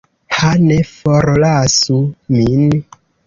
Ha, ne forlasu min!